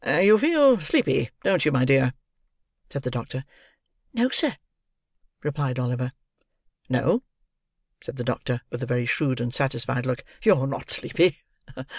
"You feel sleepy, don't you, my dear?" said the doctor. "No, sir," replied Oliver. "No," said the doctor, with a very shrewd and satisfied look. "You're not sleepy.